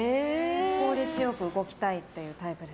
効率よく動きたいタイプです。